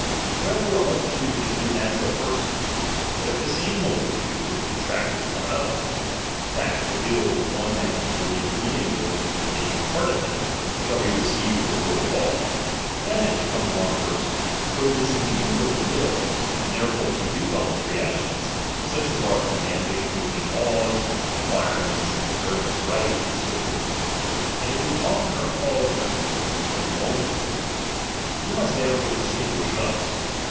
Wherefore a multitude is no natural person. But if the same multitude do contract one with another, that the will of one man, or the agreeing wills of the major part of them, shall be re ceived for the will of all ; then it becomes one person. For it is endued with a will, and therefore can do voluntary actions, such as are commanding, making laws, acquiring and transferring of right, and so forth ; and it is opener called the people, than the multitude. We must therefore distinguish thus.